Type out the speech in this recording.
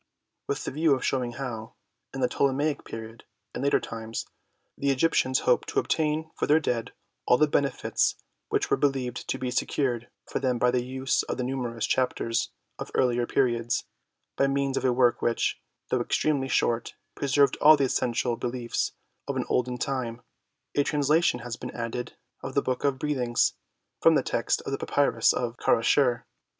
With the view of shewing how, in the Ptolemaic period and later times, the Egyptians hoped to obtain for their dead all the benefits which were believed to be secured for them by the use of the numerous Chap ters of earlier periods, by means of a work which, though extremely short, preserved all the essential be liefs of the olden time, a translation has been added of the "Book of Breathings" from the text of the Pa pyrus of Kerasher (Brit.